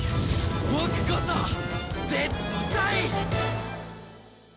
僕こそ絶対！